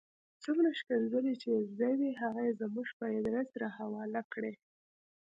څومره ښکنځلې چې یې زده وې هغه یې زموږ په آدرس را حواله کړې.